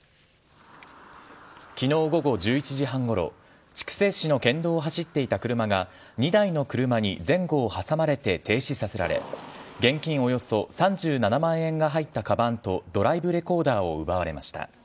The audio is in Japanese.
きのう午後１１時半ごろ、筑西市の県道を走っていた車が、２台の車に前後を挟まれて停止させられ、現金およそ３７万円が入ったかばんとドライブレコーダーを奪われました。